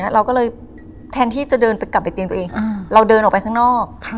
เราเดินออกไปข้างนอก